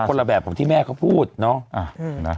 ละแบบของที่แม่เขาพูดเนาะ